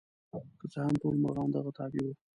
که څه هم ټول مرغان د هغه تابع وو.